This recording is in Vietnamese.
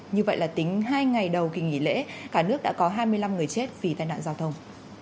như vậy là tính hai ngày đầu kỳ nghỉ lễ cả nước đã có hai mươi năm người chết vì tai nạn giao thông